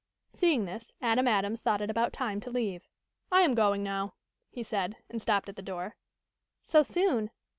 Seeing this, Adam Adams thought it about time to leave. "I am going now," he said, and stopped at the door. "So soon?"